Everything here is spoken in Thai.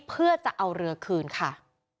เพื่อจะเอาเรือคืนค่ะ